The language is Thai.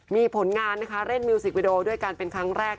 มีผลงานนะคะเล่นมิวสิกวิดีโอด้วยกันเป็นครั้งแรก